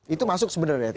itu masuk sebenarnya tuh